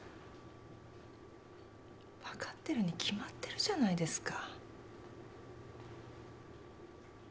分かってるに決まってるじゃないですか。